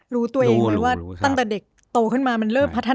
รู้ตัวเองไหมว่าตั้งแต่เด็กโตขึ้นมามันเริ่มพัฒนา